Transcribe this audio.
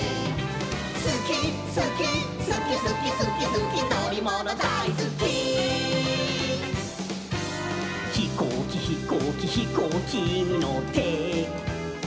「すきすきすきすきすきすきのりものだいすき」「ひこうきひこうきひこうきにのって」